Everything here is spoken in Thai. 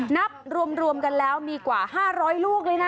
นับรวมก็มีกว่า๕๐๐ลูกเลยนะ